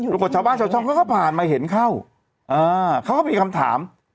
อยู่ที่ไหนพี่นุ่มว่ะชาวช้องก็ผ่านมาเห็นเข้าเขาก็มีคำถาม